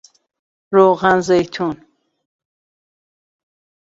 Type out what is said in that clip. روغن زیتون